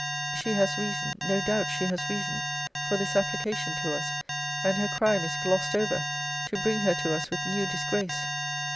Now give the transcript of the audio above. She has reason, no doubt she has reason, for this application to us: and her crime is glossed over, to bring her to us with new disgrace!